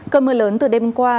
cơn mưa lớn từ đêm qua